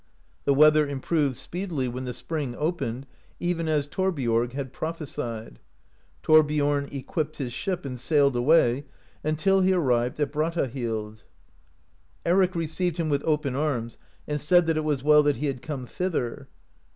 The weather improved speedily when the spring opened, even as Thorbiorg had prophesied. Thor biorn equipped his ship and sailed away, until he arrived at Brattahlid. Eric received him with open arms, and said that it was well that he had come thither.